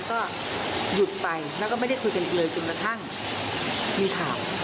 ก็หยุดไปแล้วก็ไม่ได้คุยกันอีกเลยจนกระทั่งมีข่าว